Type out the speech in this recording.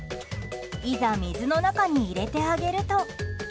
いざ水の中に入れてあげると。